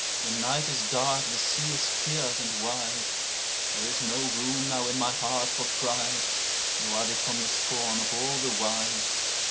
(The night is dark, the sea is fierce and wide.) There is no room now in my heart for pride, Though I become the scorn of all the wise.